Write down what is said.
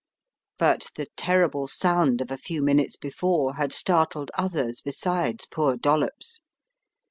But the terrible sound of a few minutes before had startled others besides poor Dollops.